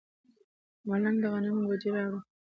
ملنګ د غنمو بوجۍ راوړه.